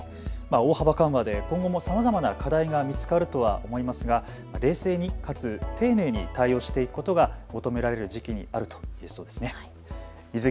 大幅緩和で今後もさまざまな課題が見つかるとは思いますが冷静にかつ丁寧に対応していくことが求められる時期にあるということですね。